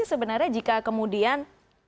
sebenarnya jika kemudian